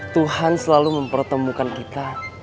tuhan selalu mempertemukan kita